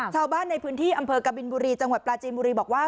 ชาวบ้านในพื้นที่อำเภอกบินบุรีจังหวัดปลาจีนบุรีบอกว่า